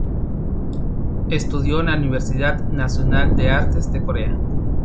Estudió en la Universidad Nacional de Artes de Corea.